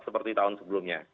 seperti tahun sebelumnya